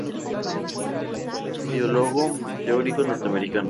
Biólogo teórico norteamericano.